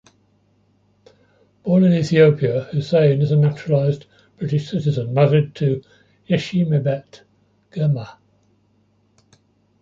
Born in Ethiopia, Hussain is a naturalised British citizen married to Yeshshiemebet Girma.